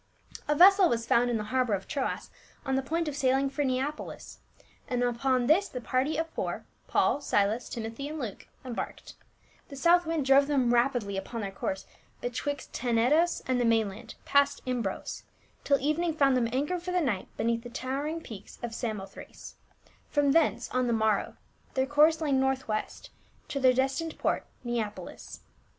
A vessel was found in the harbor of Troas on the point of sailing for Ncapolis, and upon this the party of four, Paul, Silas, Timothy and Luke, embarked ; the south wind drox'e them rapidly upon their course 318 PAUL/ betwixt Tcncdos and the mainland, past Imbros, till evening found them anchored for the night beneath the towering peaks of Samothrace ; from thence on tiie morrow their course lay northwest to their destined port, Neapolis.